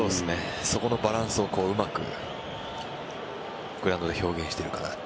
そこのバランスをうまくグラウンドで表現しているかなと。